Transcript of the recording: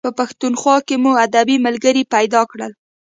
په پښتونخوا کې مو ادبي ملګري پیدا کړل.